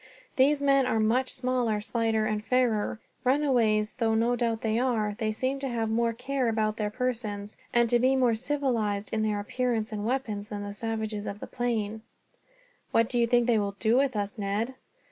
These men are much smaller, slighter, and fairer. Runaways though no doubt they are, they seem to have more care about their persons, and to be more civilized in their appearance and weapons, than the savages of the plains." "What do you think they will do with us, Ned?"